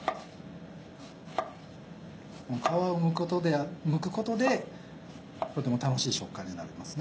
皮をむくことでとても楽しい食感になりますね。